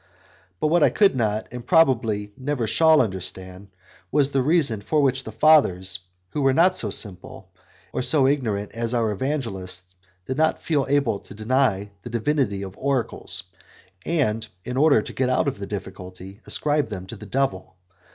But what I could not, and probably never shall, understand, was the reason for which the Fathers, who were not so simple or so ignorant as our Evangelists, did not feel able to deny the divinity of oracles, and, in order to get out of the difficulty, ascribed them to the devil.